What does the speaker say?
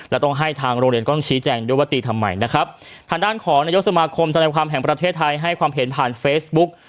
และต้องให้ทางโรงเรียนต้องชี้แจงด้วยว่าตีทำไมนะครับทางด้านของนายกสมาคมแสดงความแห่งประเทศไทยให้ความเห็นผ่านเฟซบุ๊ก